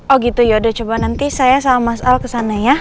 oh gitu yaudah coba nanti saya sama mas al kesana ya